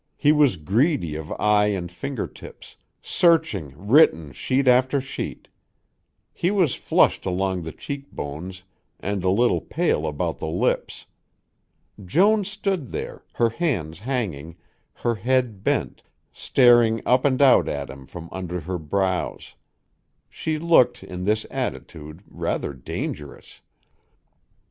He was greedy of eye and fingertips, searching written sheet after sheet. He was flushed along the cheek bones and a little pale about the lips. Joan stood there, her hands hanging, her head bent, staring up and out at him from under her brows. She looked, in this attitude, rather dangerous.